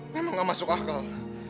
memang gak masuk akal